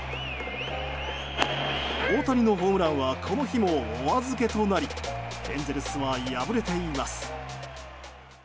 大谷のホームランはこの日もお預けとなりエンゼルスは敗れています。